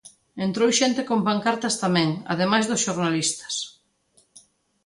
Entrou xente con pancartas tamén, ademais dos xornalistas.